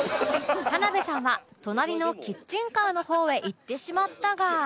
田辺さんは隣のキッチンカーの方へ行ってしまったが